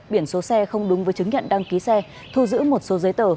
biển số xe không đúng với chứng nhận đăng ký xe thu giữ một số giấy tờ